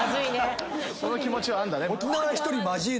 その気持ちはあんだね。